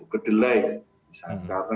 ke delay misalnya